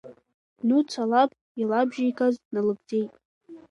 Нуца лаб илабжьеигаз налыгӡеит…